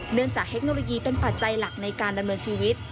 จากเทคโนโลยีเป็นปัจจัยหลักในการดำเนินชีวิต